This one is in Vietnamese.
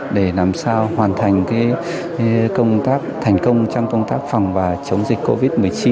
để làm sao hoàn thành công tác thành công trong công tác phòng và chống dịch covid một mươi chín